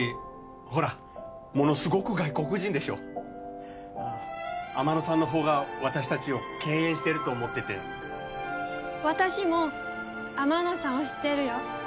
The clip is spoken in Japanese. ほらものすごく外国人でしょ天野さんの方が私達を敬遠してると思ってて私も天野さんを知ってるよ